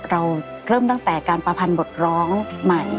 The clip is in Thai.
เราเริ่มตั้งแต่การประพันธ์บทร้องใหม่